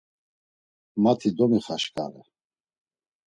Ma-ti demixaşǩare.